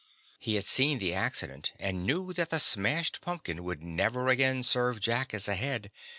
He had seen the accident and knew that the smashed pumpkin would never again serve Jack as a head.